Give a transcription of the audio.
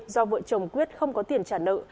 do vợ chồng quyết không có tiền trả nợ